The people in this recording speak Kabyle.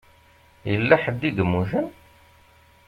Yella ḥedd i yemmuten?